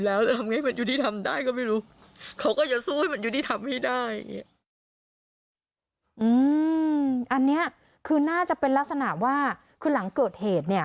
อันนี้คือน่าจะเป็นลักษณะว่าคือหลังเกิดเหตุเนี่ย